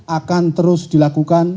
akan terus dilakukan